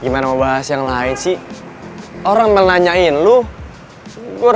mau bener bener ngetes kesabaran gue